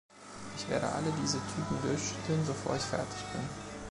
Ich werde alle diese Typen durchschütteln, bevor ich fertig bin.